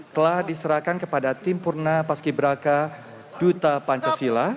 telah diserahkan kepada tim purna paski beraka duta pancasila